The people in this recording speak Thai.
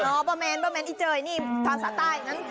หรอป่ะแมนป่ะแมนอีเจ้ยนี่ภาษาใต้นั้น